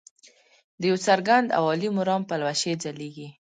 د یو څرګند او عالي مرام پلوشې ځلیږي.